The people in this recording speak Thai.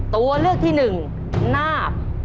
ตัวเลือกที่หนึ่งนาค